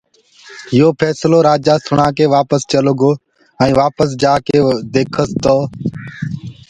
يو ڦيسلو سڻآ ڪي رآجآ وآپس چيلو گو ائين وآپس جآڪي ديکس تو